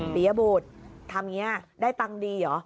ปียบุตรทำอย่างนี้ได้ตังค์ดีเหรอ